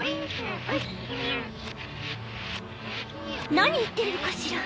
何言ってるのかしら？